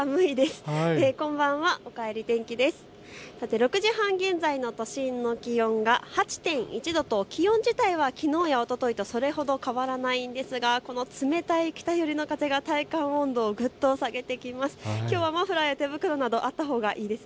６時半現在の都心の気温は８．１度と、気温自体はきのうやおとといとそれほど変わらないんですがこの冷たい北寄りの風が体感温度をぐっと下げてきます。